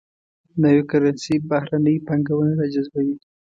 نوي کرنسي بهرنۍ پانګونه راجذبوي.